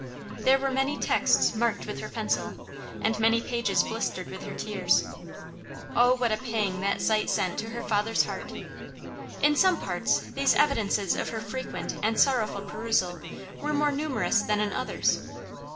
There were many texts marked with her pencil, and many pages blistered with her tears. Oh, what a pang that sight sent to her father's heart! In some parts these evidences of her frequent and sorrowful perusal were more numerous than in others.